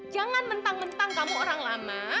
jangan mentang mentang kamu orang lama